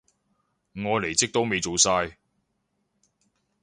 我離職都未做晒